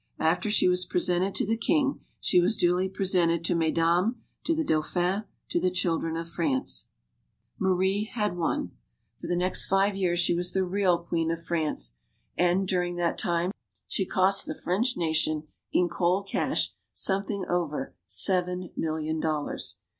After she was presented to the king, she was duly presented to Mesdames, to the Dauphin, to the Children of France. Marie had won. For the next five years she was MADAME DU BARRY 195 the real Queen of France. And, during that time, she cost the French nation, in cold cash, something over seven million dollars.